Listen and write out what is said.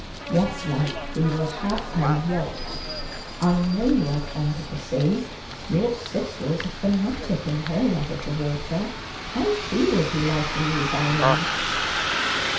' Yes, love, we will have a yacht. I know you are fond of the sea. Your sister is a fanatic in her love of the water. How she will delight in these islands